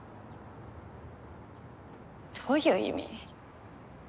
どういう意味？